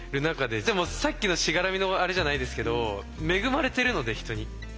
でもさっきのしがらみのあれじゃないですけど恵まれてるので人に。